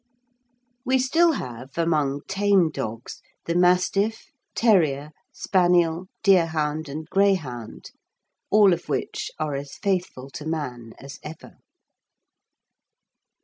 We still have, among tame dogs, the mastiff, terrier, spaniel, deerhound, and greyhound, all of which are as faithful to man as ever.